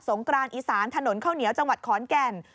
กรานอีสานถนนข้าวเหนียวจังหวัดขอนแก่น